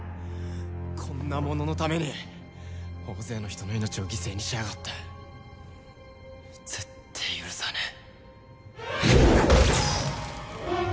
こんなもののために大勢の人の命を犠牲にしやがってぜってえ許さねえ